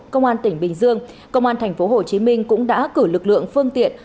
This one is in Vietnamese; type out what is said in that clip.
công an tỉnh bình dương công an tp hcm cũng đã cử lực lượng phương tiện